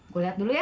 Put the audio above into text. gua lihat dulu ya